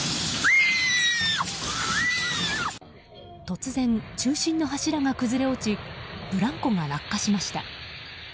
突然、中心の柱が崩れ落ちブランコが落下しました。